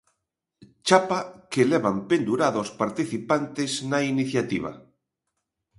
Chapa que levan pendurada os participantes na iniciativa.